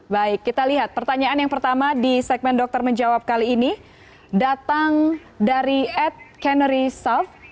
baik kita lihat pertanyaan yang pertama di segmen dokter menjawab kali ini datang dari ad canary soft